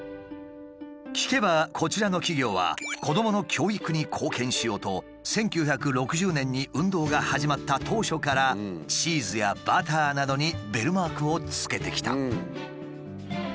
聞けばこちらの企業は子どもの教育に貢献しようと１９６０年に運動が始まった当初からチーズやバターなどにベルマークをつけてきた。